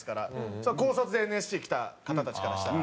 そりゃ高卒でＮＳＣ来た方たちからしたら。